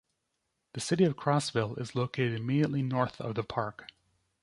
The city of Crossville is located immediately north of the park.